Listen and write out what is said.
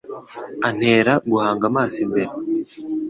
antera guhanga amaso imbere